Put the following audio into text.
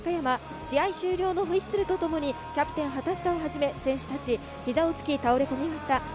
試合終了のホイッスルとともにキャプテン・畑下をはじめ、選手達、膝をつき、倒れ込みました。